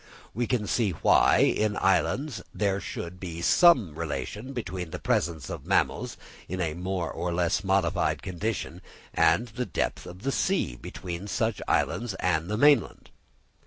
We can see why, in islands, there should be some relation between the presence of mammals, in a more or less modified condition, and the depth of the sea between such islands and the mainland.